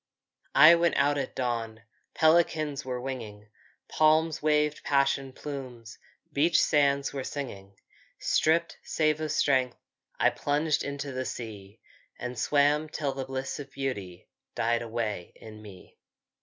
I went out at dawn, Pelicans were winging. Palms waved passion plumes, Beach sands were singing. Stripped, save of strength, I plunged into the sea And swam, till the bliss of beauty Died away in me.